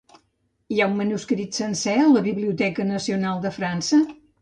Hi ha un manuscrit sencer a la Biblioteca Nacional de França?